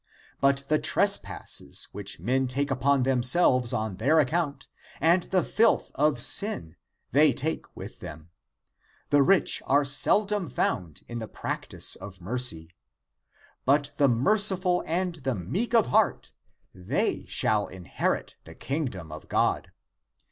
But the trespasses which men take upon themselves on their account, and the filth of sin, they take with them. The rich are sel dom found in the practice of mercy. But the mer ciful and the meek of heart — they shall inherit the Kingdom of God.